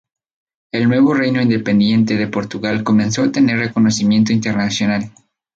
El nuevo reino independiente de Portugal comenzó a tener reconocimiento internacional.